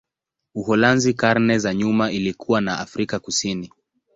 Uholanzi karne za nyuma ilikuwa na Afrika Kusini.